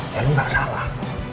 ya lo gak salah